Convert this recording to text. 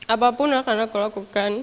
apapun akan aku lakukan